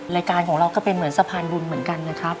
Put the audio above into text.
รายการของเราก็เป็นเหมือนสะพานบุญเหมือนกันนะครับ